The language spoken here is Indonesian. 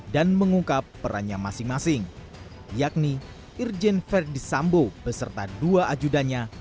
dan mengungkap perannya masing masing yakni irjen ferdisambo beserta dua ajudannya